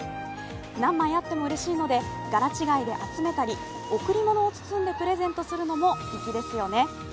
何枚あってもうれしいので柄違いで集めたり贈り物を包んでプレゼントするのも粋ですよね。